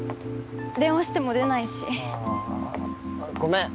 電話しても出ないしあーごめん